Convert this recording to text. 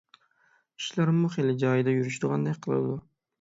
ئىشلارمۇ خېلى جايىدا يۈرۈشىدىغاندەك قىلىدۇ.